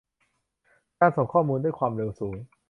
การส่งข้อมูลด้วยความเร็วสูง